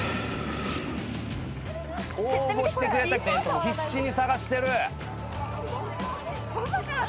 応募してくれた生徒も必死に捜してる。